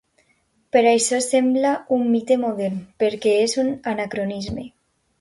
Però això sembla un mite modern, perquè és un anacronisme.